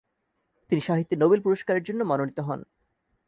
তিনি সাহিত্যে নোবেল পুরস্কারের জন্য মনোনীত হন।